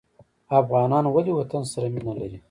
افغانان ولې وطن سره مینه لري؟